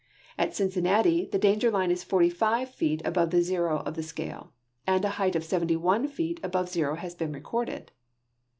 At Cincinnati the danger line is 45 feet above the zero of the scale, and a height of 7 1 feet above zero lias been recorded.